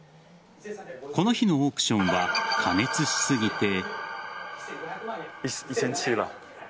この日のオークションは過熱しすぎて。